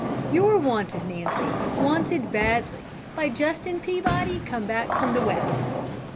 "You're wanted, Nancy, wanted badly, by Justin Peabody, come back from the West."